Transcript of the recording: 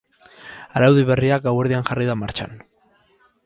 Araudi berria gauerdian jarri da martxan.